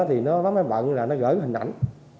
thì nó bắt máy bận là nó gửi hình ảnh